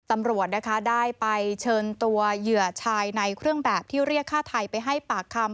ตำรวจนะคะได้ไปเชิญตัวเหยื่อชายในเครื่องแบบที่เรียกฆ่าไทยไปให้ปากคำ